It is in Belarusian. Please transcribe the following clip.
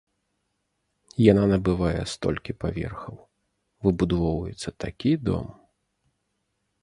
Яна набывае столькі паверхаў, выбудоўваецца такі дом!